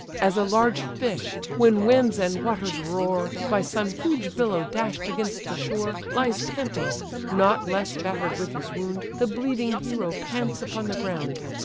As a large fish, when winds and waters roar, By some huge billow dash'd against the shore, Lies panting; not less batter'd with his wound, The bleeding hero pants upon the ground.